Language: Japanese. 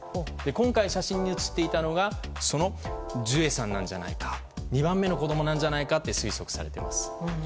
今回、写真に写っていたのがそのジュエさんなんじゃないか２番目の子供なのではないかと推測されています。